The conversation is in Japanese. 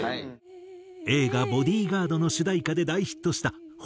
映画『ボディガード』の主題歌で大ヒットした。